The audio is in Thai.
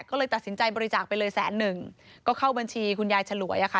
ก็เลยตัดสินใจบริจาคไปเลยแสนหนึ่งก็เข้าบัญชีคุณยายฉลวยอะค่ะ